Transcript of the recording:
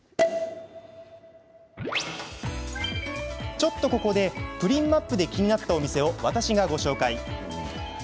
ちょっとここでプリンマップで気になったお店を私がご紹介。